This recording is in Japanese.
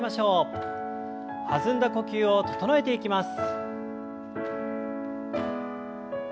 弾んだ呼吸を整えていきます。